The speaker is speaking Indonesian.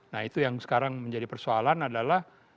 nah itu yang sekarang menjadi persoalan adalah